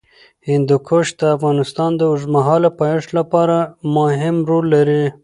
هندوکش د افغانستان د اوږدمهاله پایښت لپاره مهم رول لري.